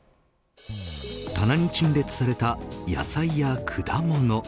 棚に陳列された野菜や果物。